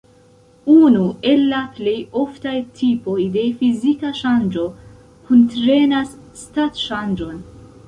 Unu el la plej oftaj tipoj de fizika ŝanĝo kuntrenas stat-ŝanĝon.